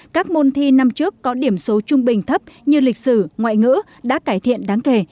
các môn thi năm trước có điểm số trung bình thấp như lịch sử ngoại ngữ đã cải thiện đáng kể